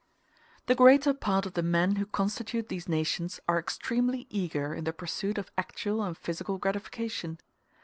The greater part of the men who constitute these nations are extremely eager in the pursuit of actual and physical gratification.